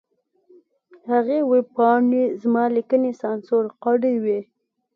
هغې ویبپاڼې زما لیکنې سانسور کړې وې.